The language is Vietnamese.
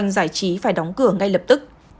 giải trí phải đóng cửa ngay lập tức